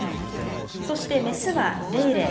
そして、雌はレイレイ。